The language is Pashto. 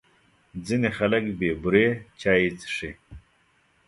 ځینې خلک بې بوري چای څښي.